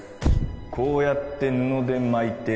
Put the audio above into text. こうやって布で巻いて